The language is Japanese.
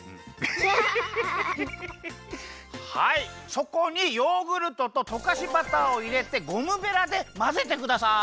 そこにヨーグルトととかしバターをいれてゴムベラでまぜてください。